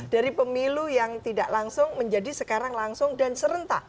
dari pemilu yang tidak langsung menjadi sekarang langsung dan serentak